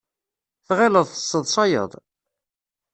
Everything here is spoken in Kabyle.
Tɣileḍ tesseḍsayeḍ?